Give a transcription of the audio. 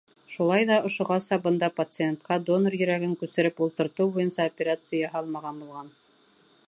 Шулай ҙа ошоғаса бында пациентҡа донор йөрәген күсереп ултыртыу буйынса операция яһалмаған булған.